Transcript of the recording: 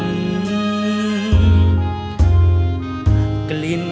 กลิ่นเกลี่ยมเกลี่ยมอ่อน